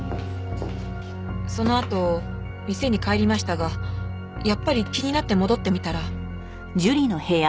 そのあと店に帰りましたがやっぱり気になって戻ってみたら。